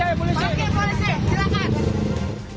pakai polisi silahkan